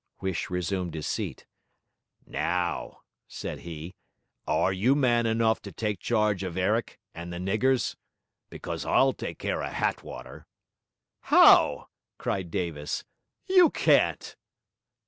Huish resumed his seat. 'Now,' said he, 'are you man enough to take charge of 'Errick and the niggers? Because I'll take care of Hattwater.' 'How?' cried Davis. 'You can't!'